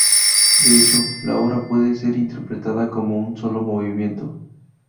De hecho, la obra puede ser interpretada como un solo movimiento.